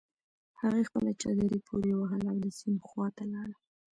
هغې خپله چادري پورې وهله او د سيند خواته لاړه.